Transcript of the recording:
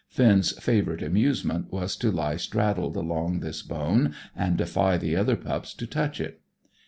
Finn's favourite amusement was to lie straddled along this bone, and defy the other pups to touch it.